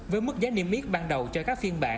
với mức giá niêm yết ban đầu cho các phiên bản